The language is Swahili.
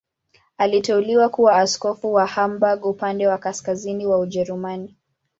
Aliteuliwa kuwa askofu wa Hamburg, upande wa kaskazini wa Ujerumani.